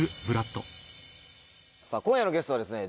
さぁ今夜のゲストはですね